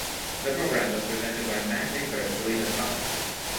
The programme was presented by Matt Baker and Selina Scott.